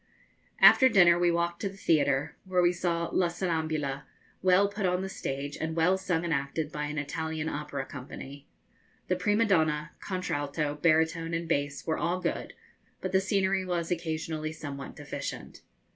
After dinner we walked to the theatre, where we saw La Sonnambula well put on the stage, and well sung and acted by an Italian opera company. The prima donna, contralto, baritone, and bass were all good, but the scenery was occasionally somewhat deficient.